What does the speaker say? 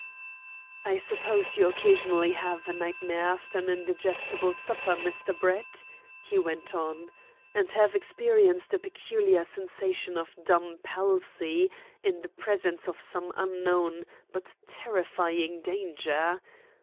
"I suppose you occasionally have a nightmare after an indigestible supper, Mr. Brett," he went on, "and have experienced a peculiar sensation of dumb palsy in the presence of some unknown but terrifying danger?